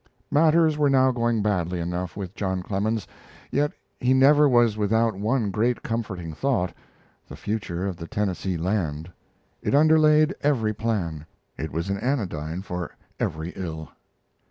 Matters were now going badly enough with John Clemens. Yet he never was without one great comforting thought the future of the Tennessee land. It underlaid every plan; it was an anodyne for every ill.